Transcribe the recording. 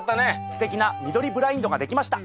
すてきな緑ブラインドが出来ました。